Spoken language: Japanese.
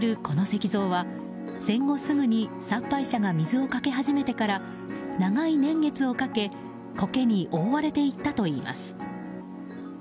この石像は戦後すぐに参拝者が水をかけ始めてから長い年月をかけコケに覆われていったといいます。